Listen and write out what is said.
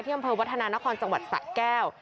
ที่บรรเวิร์นวัฒนานครจังหวัดสระแก้ว